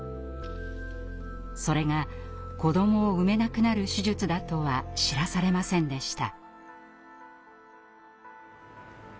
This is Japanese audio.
それが子どもを産めなくなる手術だとは知らされませんでした。